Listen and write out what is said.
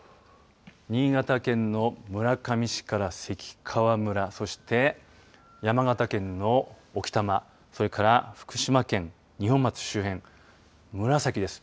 新潟県の村上市から関川村そして、山形県の置賜それから福島県二本松周辺紫です。